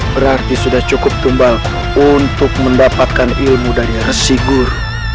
berarti sudah cukup tumbal untuk mendapatkan ilmu dari resigur